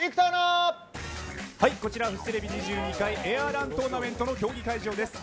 こちらフジテレビ２２階エアーラントーナメントの競技会場です。